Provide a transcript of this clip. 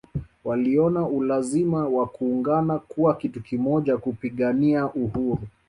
Waliona ulazima wa kuungana kuwa kitu kimoja kupigania uhuru